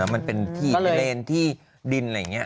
มันเป็นที่เลนที่ดินอะไรอย่างนี้